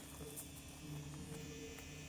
মহামান্য, ওর কথা শুনবেন না।